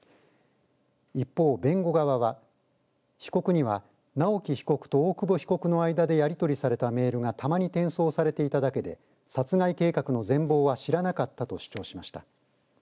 一方、弁護側は被告には、直樹被告と大久保被告の間でやりとりされたメールがたまに転送されていただけで殺害計画の全貌は知らなかったと主張しました。